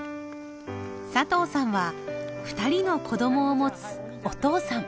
佐藤さんは２人の子どもを持つお父さん。